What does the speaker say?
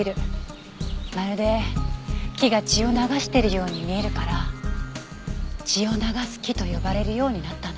まるで木が血を流してるように見えるから血を流す木と呼ばれるようになったの。